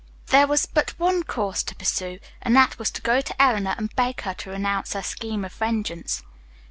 There was but one course to pursue, and that was to go to Eleanor and beg her to renounce her scheme of vengeance.